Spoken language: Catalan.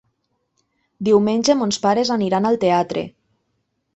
Diumenge mons pares aniran al teatre.